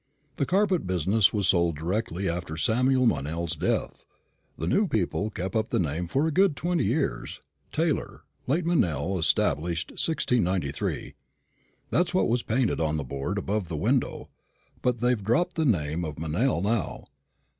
The carpet business was sold directly after Samuel Meynell's death. The new people kept up the name for a good twenty years 'Taylor, late Meynell, established 1693,' that's what was painted on the board above the window but they've dropped the name of Meynell now.